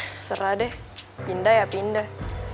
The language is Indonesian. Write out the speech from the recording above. terserah deh pindah ya pindah